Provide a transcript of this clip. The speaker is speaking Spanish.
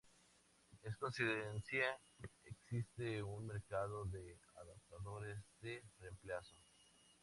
En consecuencia, existe un Mercado de adaptadores de reemplazo.